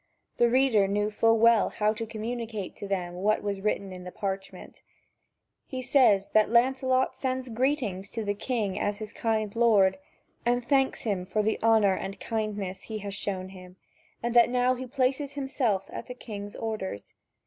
The reader knew full well how to communicate to them what was written in the parchment: he says that Lancelot sends greetings to the king as his kind lord, and thanks him for the honour and kindness he has shown him, and that he now places himself at the king's orders.